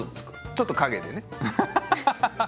ちょっと陰でね。